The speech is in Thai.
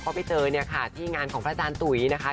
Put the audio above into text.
ก็ไปเจอเนี่ยค่ะที่งานของพระอาจารย์ตุ๋ยนะคะ